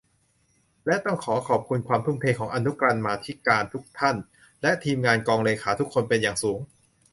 และต้องขอขอบคุณความทุ่มเทของอนุกรรมาธิการทุกท่าน และ ทีมงานกองเลขาทุกคนเป็นอย่างสูง